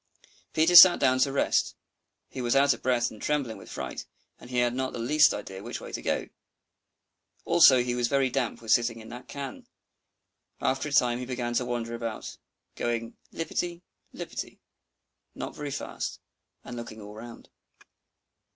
Peter sat down, to rest; he was out of breath and trembling with fright, and he had not the least idea which way to go. Also he was very damp with sitting in that can. After a time he began to wander about, going lippity lippity not very fast, and looking all round.